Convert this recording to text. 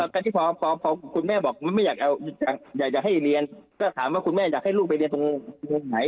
ก็ที่พอคุณแม่บอกไม่อยากจะให้เรียนก็ถามว่าคุณแม่อยากให้ลูกไปเรียนตรงไหน